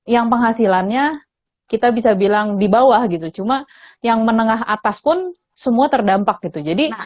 yang penghasilannya kita bisa bilang di bawah gitu cuma yang menengah atas pun semua terdampak gitu jadi